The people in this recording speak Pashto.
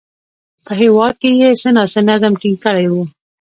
په هېواد کې یې څه ناڅه نظم ټینګ کړی و